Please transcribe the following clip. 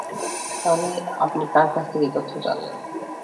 তাহলে আপনি কার কাছ থেকে এই তথ্য জানলেন?